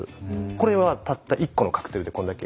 これはたった１個のカクテルでこんだけ。